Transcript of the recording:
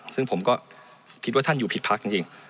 ซึ่งผมก็คิดว่าท่านอยู่ผิดพักจริง